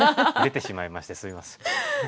出てしまいましてすいません。